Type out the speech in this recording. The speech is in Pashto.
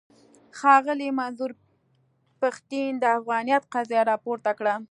ښاغلي منظور پښتين د افغانيت قضيه راپورته کړه.